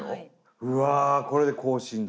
うわこれで更新だ。